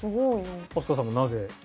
飛鳥さんはなぜ？